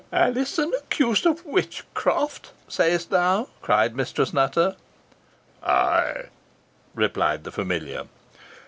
"Alizon accused of witchcraft say'st thou?" cried Mistress Nutter. "Ay," replied the familiar.